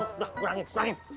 udah kurangin kurangin